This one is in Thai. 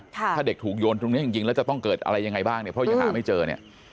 ถ้าเด็กถูกโยนตรงนี้จริงแล้วจะต้องเกิดอะไรยังไงบ้างเนี่ยเพราะยังหาไม่เจอเนี่ย